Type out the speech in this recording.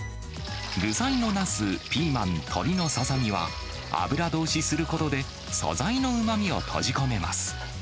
具材のナス、ピーマン、鶏のささみは、油通しすることで、素材のうまみを閉じ込めます。